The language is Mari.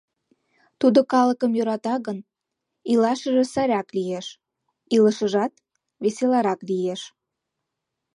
Тудо калыкым йӧрата гын, илашыже сайрак лиеш, илышыжат веселарак лиеш...»